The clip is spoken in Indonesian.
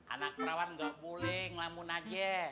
anak perawan gak boleh ngelamun aja